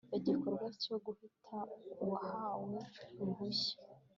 igikorwa cyo guhatira uwahawe uruhushya